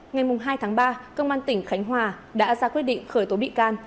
ngày hai tháng ba công an tỉnh khánh hòa đã ra quyết định khởi tố bị can